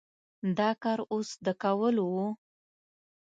دا کار اوس د کولو و؟